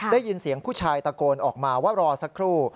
ได้ยินเสียงผู้ชายตะโกนออกมาว่ารอสักครู่